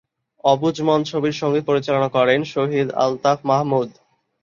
অবুঝ মন ছবির সঙ্গীত পরিচালনা করেন শহীদ আলতাফ মাহমুদ।